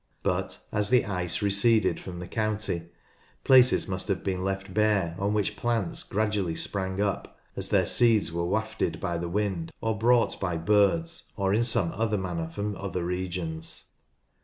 But, as the ice receded from the county, places must have been left bare on which 70 NORTH LANCASHIRE plants gradually sprang up, as their seeds were wafted by the wind, or brought by birds, or in some other manner, from other regions.